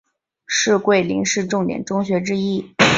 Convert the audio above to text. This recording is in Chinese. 是桂林市重点中学之一。